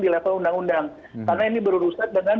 di level undang undang karena ini berurusan dengan